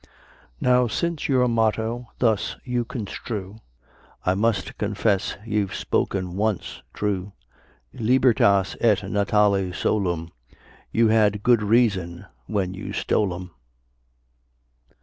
Now since your motto thus you construe, I must confess you've spoken once true. Libertas et natale solum, You had good reason when you stole 'em.